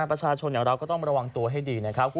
ประชาชนอย่างเราก็ต้องระวังตัวให้ดีนะครับ